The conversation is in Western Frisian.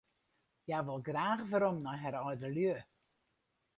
Hja wol graach werom nei har âldelju.